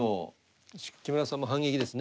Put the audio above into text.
木村さんも反撃ですね。